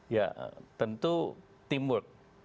ya tentu teamwork